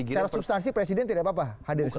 secara substansi presiden tidak apa apa hadir di situ